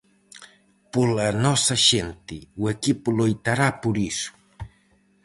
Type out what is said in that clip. Pola nosa xente, o equipo loitará por iso.